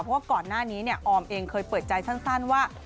เพราะว่าก่อนหน้านี้ออมเองเคยเปิดใจสั้นว่า